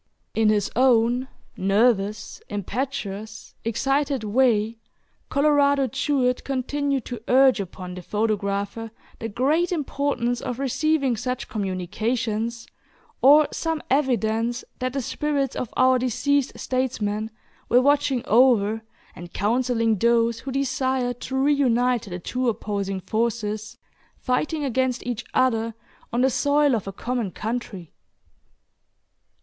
In his own nervous, impetuous, excited way, Colorado Jewett continued to urge upon the photographer the great importance of receiving such communications, or some evidence that the spirits of our deceased statesmen were watching over and counseling those who desire to re unite the two opposing forces, fighting against each other on the soil of a common country.